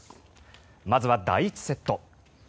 まずは第１セット。